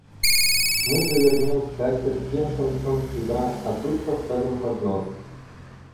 Мы повернем скатерть тем концом сюда, а тут поставим поднос.